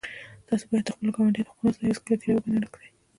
تاسو باید د خپلو ګاونډیانو حقونه وساتئ او هېڅکله تېری ورباندې ونه کړئ